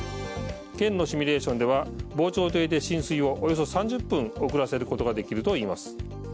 県のシミュレーションでは防潮堤で浸水をおよそ３０分遅らせることができるといいます。